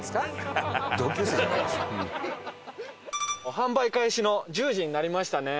販売開始の１０時になりましたね。